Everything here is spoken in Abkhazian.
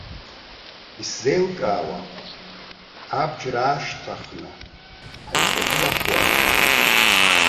Исзеилкаауам, абџьар аашьҭыхны ҳаиҿагылахуама?!